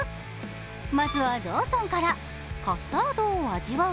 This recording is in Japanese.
まずはローソンから、カスタードを味わう